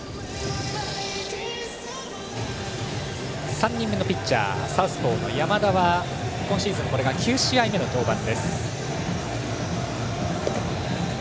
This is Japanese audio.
３人目のピッチャーサウスポーの山田は今シーズンこれが９試合目の登板です。